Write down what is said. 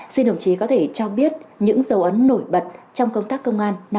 xin đồng chí có thể cho biết những dấu ấn nổi bật trong công tác công an năm hai nghìn hai mươi bốn